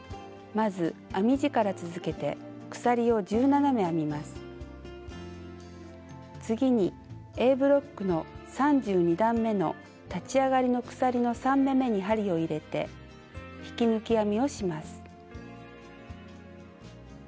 まず編み地から続けて次にＡブロックの３２段めの立ち上がりの鎖の３目めに針を入れて引き抜き編みをします。